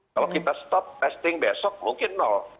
kalau kita stop testing besok mungkin